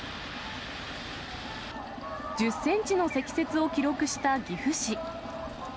１０センチの積雪を記録した岐阜市。